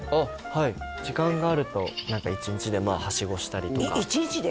はい時間があると１日ではしごしたりとか１日で？